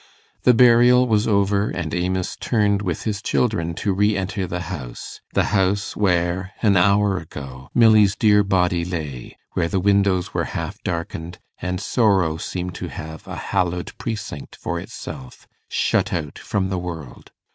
The burial was over, and Amos turned with his children to re enter the house the house where, an hour ago, Milly's dear body lay, where the windows were half darkened, and sorrow seemed to have a hallowed precinct for itself, shut out from the world.